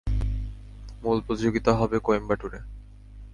মূল প্রতিযোগিতা হবে কোয়েম্বাটুরে।